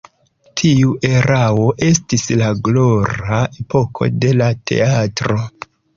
Tiu erao estis la glora epoko de la teatro.